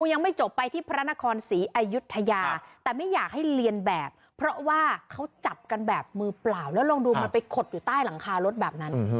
ยังไม่จบไปที่พระนครศรีอายุทยาแต่ไม่อยากให้เรียนแบบเพราะว่าเขาจับกันแบบมือเปล่าแล้วลองดูมันไปขดอยู่ใต้หลังคารถแบบนั้น